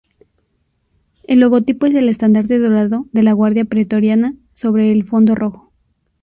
El logotipo es el estandarte dorado de la guardia pretoriana sobre un fondo rojo.